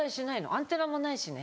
アンテナもないしね。